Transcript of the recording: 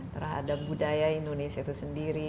terhadap budaya indonesia itu sendiri